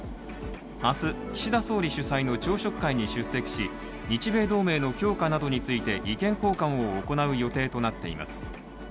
明日、岸田総理主催の朝食会に出席し日米同盟の強化などについて意見交換を行う予定となっています。